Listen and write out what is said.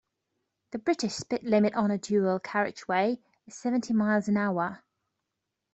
The British speed limit on a dual carriageway is seventy miles an hour